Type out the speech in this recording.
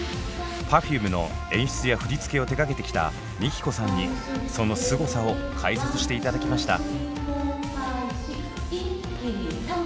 Ｐｅｒｆｕｍｅの演出や振り付けを手がけてきたＭＩＫＩＫＯさんにそのすごさを解説して頂きました。